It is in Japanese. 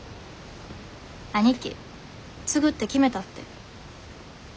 兄貴継ぐって決めたって。